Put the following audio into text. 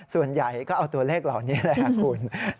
ส่วนใหญ่ก็เอาตัวเลขเหล่านี้แหละคุณ